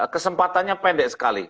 kesempatannya pendek sekali